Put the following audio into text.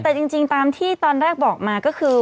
แต่จริงตามที่ตอนแรกบอกมาก็คือ